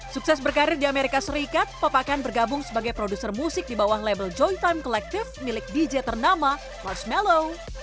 sukses berkarir di amerika serikat papakan bergabung sebagai produser musik di bawah label joy time collective milik dj ternama marsh melo